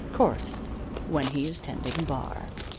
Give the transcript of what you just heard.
Chorus: When he is tending bar.